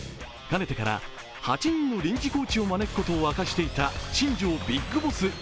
かねてから８人の臨時コーチを招くことを明かしていた新庄ビッグボス。